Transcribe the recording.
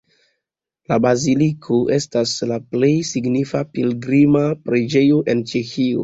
La baziliko estas la plej signifa pilgrima preĝejo en Ĉeĥio.